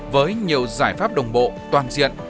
với nhiều giải pháp đồng bộ toàn diện